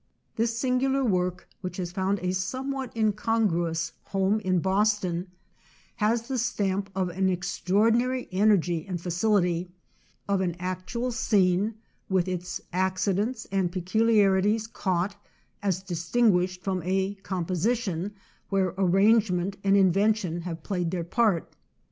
This singular work, which has found a somewhat in congruous home in Boston, has the stamp of an extraordinary energy and facility â of an actual scene, with its accidents and peculiarities caught, as distinguished from a composition where arrangement and invention have played their part.